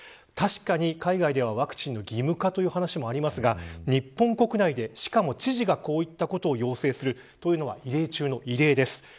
確かに、海外ではワクチンの義務化という話もありますが日本国内で、しかも知事がこういったことを要請するのは異例中の異例です。